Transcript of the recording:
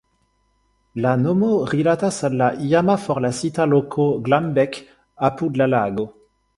La nomo rilatas al la iama forlasita loko "Glambek" apud la lago.